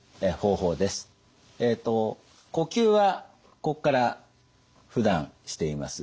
呼吸はここからふだんしています。